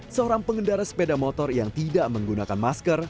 seorang pengendara sepeda motor yang tidak menggunakan masker